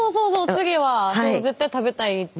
次は絶対食べたいって。